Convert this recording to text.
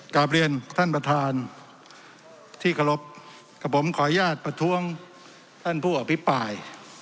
กลับเรียนท่านประธานที่เคารพกับผมขออนุญาตประท้วงท่านผู้อภิปราย